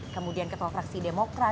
kemudian ketua fraksi demokrat